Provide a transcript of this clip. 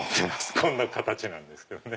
こんな形なんですけどね。